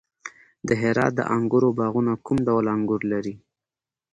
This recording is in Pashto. د هرات د انګورو باغونه کوم ډول انګور لري؟